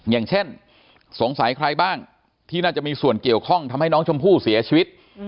อย่างเช่นสงสัยใครบ้างที่น่าจะมีส่วนเกี่ยวข้องทำให้น้องชมพู่เสียชีวิต